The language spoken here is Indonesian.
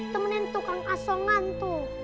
temenin tukang asongan tuh